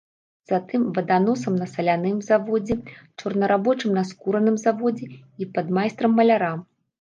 Затым ваданосам на саляным заводзе, чорнарабочым на скураным заводзе і падмайстрам маляра.